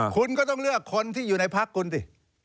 คุณก็ต้องเลือกคนที่อยู่ในพักคุณสิ